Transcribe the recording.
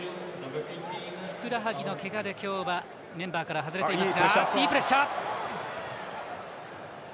ふくらはぎのけがで今日はメンバーから外れています。